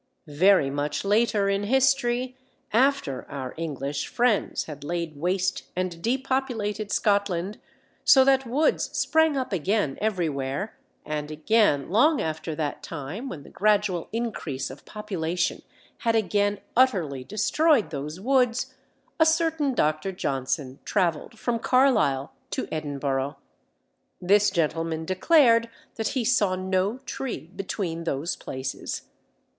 Very much later in history, after our English friends had laid waste and depopulated Scotland, so that woods sprang up again everywhere, and again long after that time when the gradual increase of population had again utterly destroyed those woods, a certain Dr. Johnson travelled from Carlisle to Edinburgh. This gentleman declared that he saw no tree between those places.